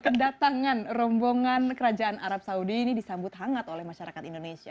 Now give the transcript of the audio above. kedatangan rombongan kerajaan arab saudi ini disambut hangat oleh masyarakat indonesia